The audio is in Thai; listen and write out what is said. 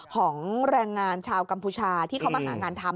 ของแรงงานชาวกัมพูชาที่เขามาหางานทำ